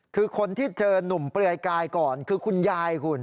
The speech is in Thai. คือคนที่เจอนุ่มเปลือยกายก่อนคือคุณยายคุณ